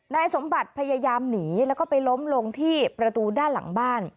นายสมบัติพยายามหนีแล้วก็ไปล้มลงที่ประตูด้านหลังบ้าน